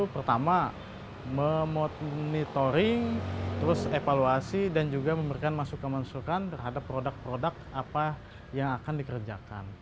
pertama memonitoring terus evaluasi dan juga memberikan masukan masukan terhadap produk produk apa yang akan dikerjakan